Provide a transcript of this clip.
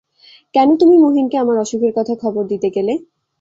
কেন তুমি মহিনকে আমার অসুখের কথা খবর দিতে গেলে।